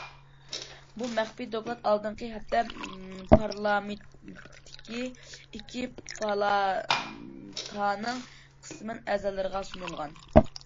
بۇ مەخپىي دوكلات ئالدىنقى ھەپتە پارلامېنتتىكى ئىككى پالاتانىڭ قىسمەن ئەزالىرىغا سۇنۇلغان.